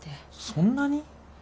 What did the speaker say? そんなに？